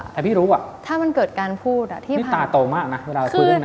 จริงถ้ามันเกิดการพูดอ่ะนี่ตาโตมากนะเวลาคุยเรื่องนั้น